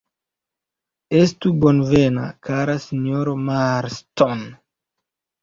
Estu bonvena, kara sinjoro Marston!